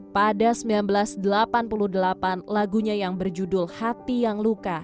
pada seribu sembilan ratus delapan puluh delapan lagunya yang berjudul hati yang luka